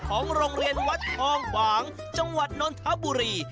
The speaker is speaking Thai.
ของโรงเรียนวัดทองขวางจังหวัดนนทบุรี